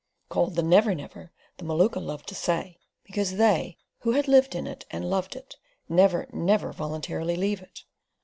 Called the Never Never, the Maluka loved to say, because they, who have lived in it and loved it Never Never voluntarily leave it.